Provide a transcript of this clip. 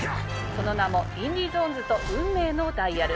その名も『インディ・ジョーンズと運命のダイヤル』。